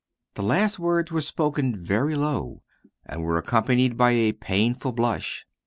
The last words were spoken very low, and were accompanied by a painful blush.